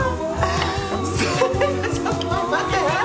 ちょっと待って。